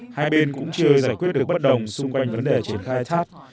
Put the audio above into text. hai bên cũng chưa giải quyết được bất đồng xung quanh vấn đề triển khai thác